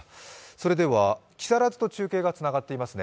それでは木更津と中継がつながっていますね。